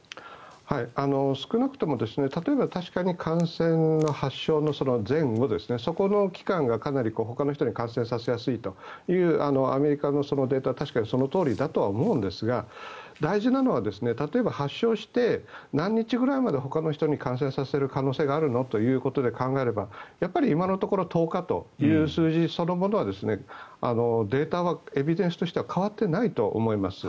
少なくとも例えば確かに感染、発症の前後そこの期間がかなりほかの人に感染させやすいというアメリカのデータは確かにそのとおりだとは思うんですが大事なのは例えば発症して何日ぐらいまでほかの人に感染させる可能性があるのということで考えればやっぱりいまのところ１０日という数字そのものはデータはエビデンスとしては変わっていないと思います。